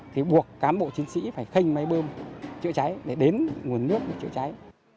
thì buộc cám bộ chiến sĩ phải khenh máy bơm chữa cháy để đến nguồn nước chữa cháy